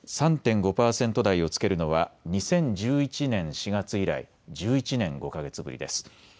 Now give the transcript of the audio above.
３．５％台をつけるのは２０１１年４月以来、１１年５か月ぶりです。